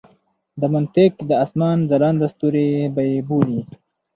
د منطق د اسمان ځلانده ستوري به یې بولي.